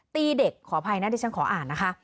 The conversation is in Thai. ตีเด็กขออภัยนะดิฉันขออ่านนะคะ